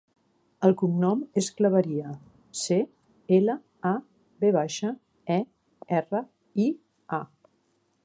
El cognom és Claveria: ce, ela, a, ve baixa, e, erra, i, a.